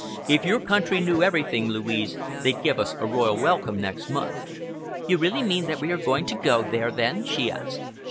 If your country knew everything, Louise, they'd give us a royal welcome next month." "You really mean that we are to go there, then?" she asked.